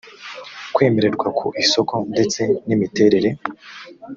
kwemererwa ku isoko ndetse n imiterere